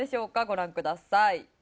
ご覧ください。